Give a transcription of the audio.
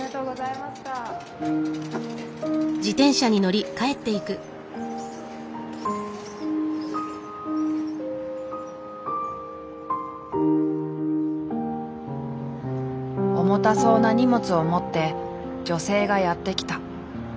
重たそうな荷物を持って女性がやって来た。